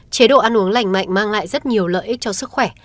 chế độ ăn uống lành mạnh mang lại rất nhiều lợi ích cho sức khỏe